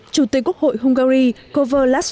chủ tịch quốc hội hungary kovar laszlo